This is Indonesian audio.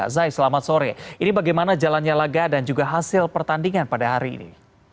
zai selamat sore ini bagaimana jalannya laga dan juga hasil pertandingan pada hari ini